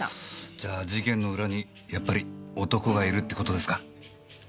じゃあ事件の裏にやっぱり男がいるって事ですか？